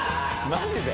マジで？